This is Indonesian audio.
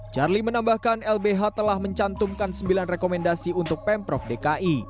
charlie menambahkan lbh telah mencantumkan sembilan rekomendasi untuk pemprov dki